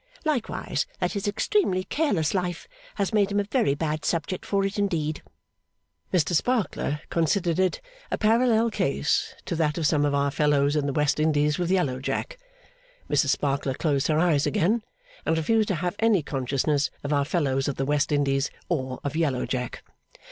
Likewise that his extremely careless life has made him a very bad subject for it indeed.' Mr Sparkler considered it a parallel case to that of some of our fellows in the West Indies with Yellow Jack. Mrs Sparkler closed her eyes again, and refused to have any consciousness of our fellows of the West Indies, or of Yellow Jack.